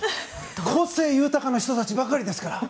個性豊かな人たちばかりですから。